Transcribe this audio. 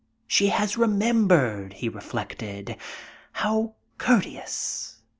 "She has remembered," he reflected; "how courteous!"